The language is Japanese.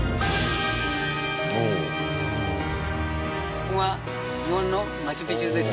ここが日本のマチュピチュです。